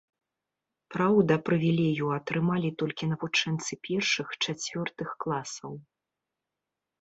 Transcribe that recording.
Праўда, прывілею атрымалі толькі навучэнцы першых-чацвёртых класаў.